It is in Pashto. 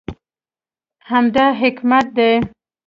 همدا حکمت دی.